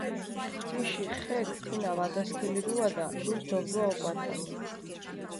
თიში ხექ თინა ვადასქილიდუადა, დუს დობდვა ოკვათალო.